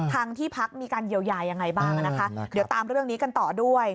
ที่พักมีการเยียวยายังไงบ้างนะคะเดี๋ยวตามเรื่องนี้กันต่อด้วย